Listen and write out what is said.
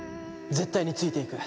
絶対についていく！